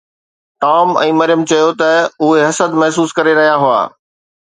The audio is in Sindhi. ٽام ۽ مريم چيو ته اهي حسد محسوس ڪري رهيا هئا.